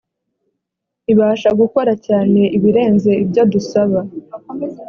ibasha gukora cyane iberenze ibyo dusaba